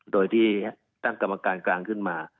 โดยที่ตั้งกรรมการกลางขึ้นมา